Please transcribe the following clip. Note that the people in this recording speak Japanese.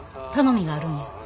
頼みがあるんや」。